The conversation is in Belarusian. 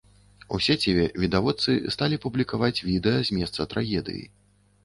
У сеціве відавочцы сталі публікаваць відэа з месца трагедыі.